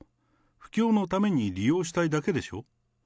布教のために利用したいだけでしょ。